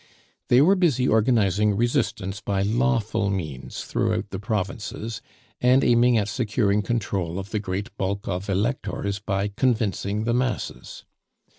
They were busy organizing resistance by lawful means throughout the provinces, and aiming at securing control of the great bulk of electors by convincing the masses.